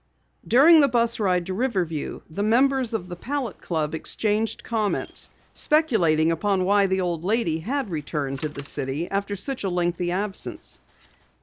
During the bus ride to Riverview, the members of the Palette exchanged comments, speculating upon why the old lady had returned to the city after such a lengthy absence.